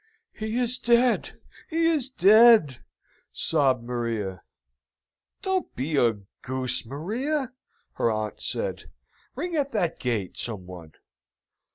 "He is dead he is dead!" sobbed Maria. "Don't be a goose, Maria!" her aunt said. "Ring at that gate, some one!"